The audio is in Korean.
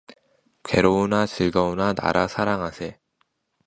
괴로우나 즐거우나 나라 사랑하세